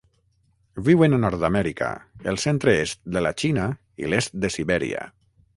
Viuen a Nord-amèrica, el centre-est de la Xina i l'est de Sibèria.